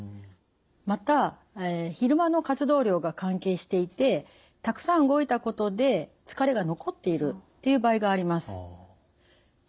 また昼間の活動量が関係していてたくさん動いたことで疲れが残っているっていう場合があります。